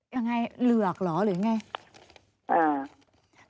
ยังไงเหลือกเหรอ